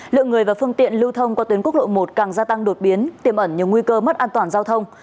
lượng người và phương tiện lưu thông qua tuyến quốc lộ một càng gia tăng đột biến tiềm ẩn nhiều nguy cơ mất an toàn giao thông